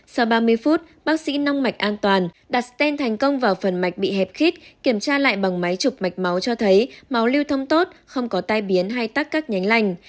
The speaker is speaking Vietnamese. sau ba mươi phút bác sĩ nông mạch an toàn đặt stent thành công vào phần mạch bị hẹp khít kiểm tra lại bằng máy chụp mạch máu cho thấy máu lưu thông tốt không có tai biến hay tắc các nhánh lành